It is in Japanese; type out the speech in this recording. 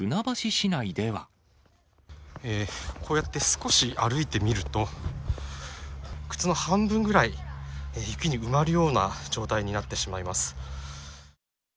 こうやって少し歩いてみると、靴の半分ぐらい雪に埋まるような状態になってしまいます。